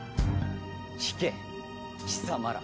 聞け貴様ら。